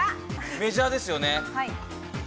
メジャーですよね？